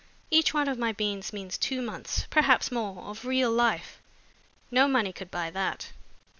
Each one of my beans means two months, perhaps more, of real life. No money could buy that."